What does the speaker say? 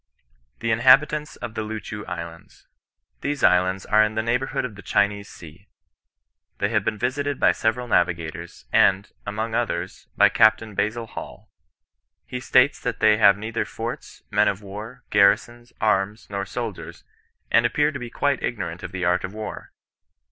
THE INHABITANTS OP THE LOOCHOO ISLANDS. These islands are in the neighbourhood of the Chinese Sea. They have been visited by several navigators, and, among others, by Captain Basil Hall. He states that they have neither forts, men of war, garrisons, arms, nor soldiers, and appear to be quite ignorant of the art of war.